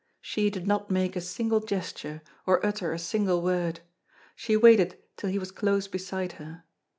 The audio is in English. She did not make a single gesture, or utter a single word. She waited till he was close beside her.